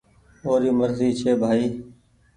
اوري مرزي ڇي ڀآئي۔